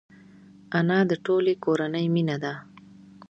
انا د ټولې کورنۍ مینه ده